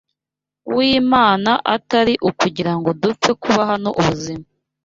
w’Imana atari ukugira ngo dupfe kubaho ubuzima